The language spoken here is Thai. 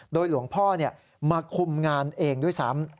โดยหลวงพ่อมาคุมงานเองด้วยซ้ำ